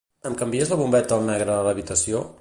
Em canvies la bombeta al negre a l'habitació?